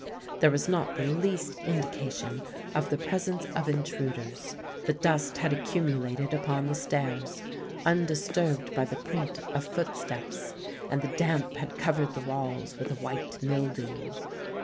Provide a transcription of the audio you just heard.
There was not the least indication of the presence of intruders: the dust had accumulated upon the stairs, undisturbed by the print of footsteps; and the damp had covered the walls with a white mildew.